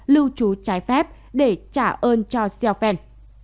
lưu trú trái phép để trả ơn cho xiao fan